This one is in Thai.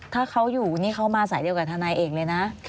ถ้าเขาอยู่นี่เขามาสายเดียวกับทนายเอกเลยนะ